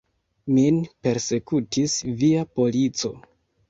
Min persekutis via polico.